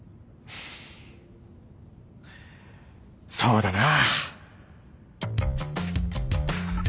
そうだな。